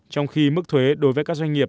trong khi mức thuế đối với các doanh nghiệp